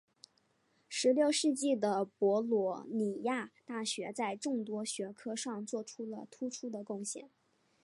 十六世纪的博洛尼亚大学在众多学科上做出了突出的贡献。